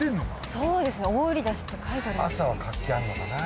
そうですね大売り出しって書いてあります。